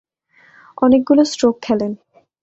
অনেকগুলো স্ট্রোক খেলেন।